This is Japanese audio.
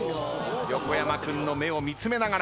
横山君の目を見詰めながら。